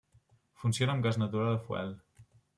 Funciona amb gas natural o fuel.